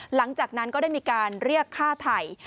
หลังจากนั้นก็ได้มีการเรียกฆ่าไทย